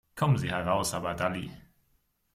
Kommen Sie heraus, aber dalli!